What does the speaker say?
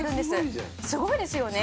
「すごいよ。